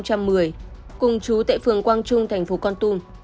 cùng chú tại phường quang trung tp con tum